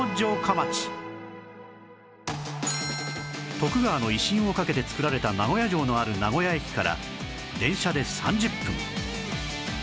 徳川の威信をかけて造られた名古屋城のある名古屋駅から電車で３０分